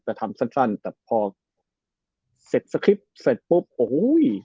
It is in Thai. แต่ทำสั้นสั้นแต่พอเสร็จสคริปต์เสร็จปุ๊บโอ้โห